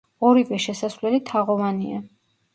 ორივე შესასვლელი თაღოვანია.